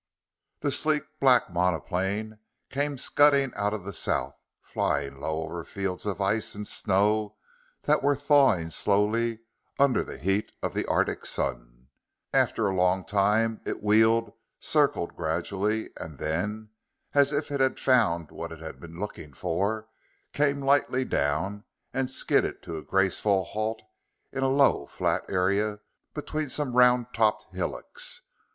] The sleek black monoplane came scudding out of the south, flying low over fields of ice and snow that were thawing slowly under the heat of the arctic sun. After a long time it wheeled, circled gradually, and then, as if it had found what it had been looking for, came lightly down and skidded to a graceful halt in a low flat area between some round topped hillocks.